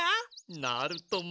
なるとも。